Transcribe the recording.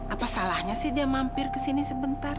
apa salahnya sih dia mampu